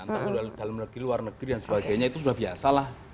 entah di dalam negeri luar negeri dan sebagainya itu sudah biasa lah